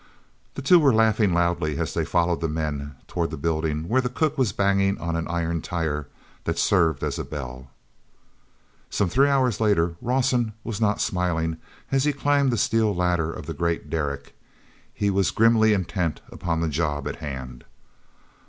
The two were laughing loudly as they followed the men toward the building where the cook was banging on an iron tire that served as a bell. ome three hours later Rawson was not smiling as he climbed the steel ladder of the great derrick; he was grimly intent upon the job at hand.